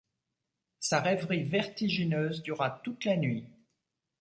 Sa rêverie vertigineuse dura toute la nuit.